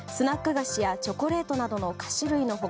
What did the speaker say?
菓子やチョコレートなどの菓子類の他